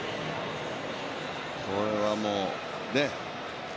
これはもうね。